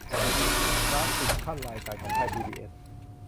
กราฟิกคั่นรายการของไทยพีบีเอส